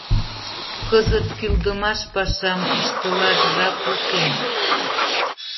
— Кызыт кӱлдымаш пашам ыштылаш жап уке.